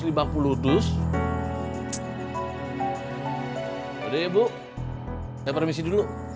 udah ya bu saya permisi dulu